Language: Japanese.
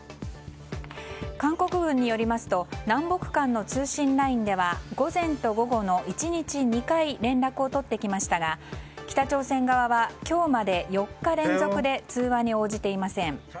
韓国軍によりますと南北間の通信ラインでは午前と午後の１日２回連絡を取ってきましたが北朝鮮側は今日まで４日連続で通話に応じていません。